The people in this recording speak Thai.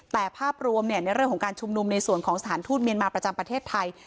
แต่ภาพรวมในเรื่องของการชุมนุมในส่วนของสถานทูตเมียนมาประจำประเทศไทย